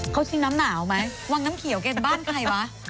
เขาชิงน้ำหนาวไหมวังน้ำเขียวแกบ้านใครวะ